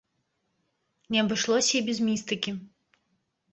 Не абышлося і без містыкі.